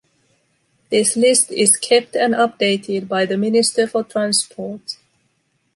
This list is kept and updated by the Minister for transport.